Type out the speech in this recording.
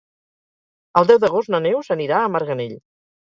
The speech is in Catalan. El deu d'agost na Neus anirà a Marganell.